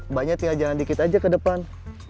mbaknya tinggal jangan dikit aja ke depan